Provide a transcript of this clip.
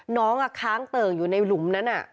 ค้างเติ่งอยู่ในหลุมนั้น